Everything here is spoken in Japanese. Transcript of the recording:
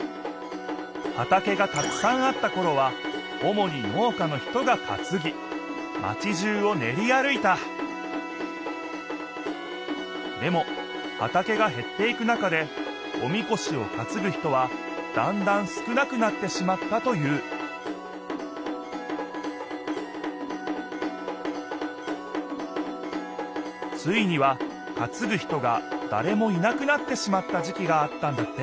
はたけがたくさんあったころはおもに農家の人がかつぎマチじゅうをねり歩いたでもはたけがへっていく中でおみこしをかつぐ人はだんだん少なくなってしまったというついにはかつぐ人がだれもいなくなってしまった時きがあったんだ